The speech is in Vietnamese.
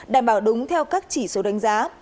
đảm bảo đúng theo các chỉ số đánh giá